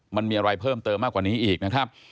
มันมีอะไรเพิ่มเติมมากกว่านี้อีกนะครับ